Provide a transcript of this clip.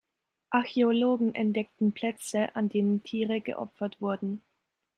Archäologen entdeckten Plätze, an denen Tiere geopfert wurden.